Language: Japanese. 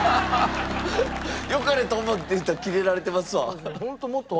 良かれと思って言ったらキレられてますわ。